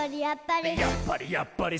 「やっぱり！